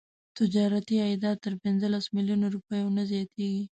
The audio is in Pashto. تجارتي عایدات تر پنځلس میلیونه روپیو نه زیاتیږي.